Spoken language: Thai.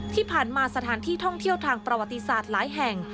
ที่ผ่านมาสถานที่ท่องเที่ยวทางประวัติศาสตร์หลายแห่ง